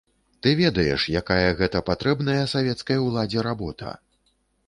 Ты ведаеш, якая гэта патрэбная савецкай уладзе работа.